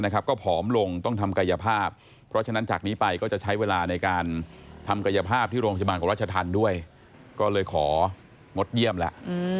ก็เลยของงดเยี่ยมแล้ว